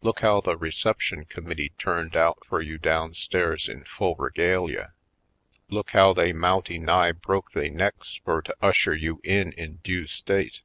Look how the recep tion committee turned out fur you down stairs in full regalia? Look how they mouty nigh broke they necks fur to usher you in in due state?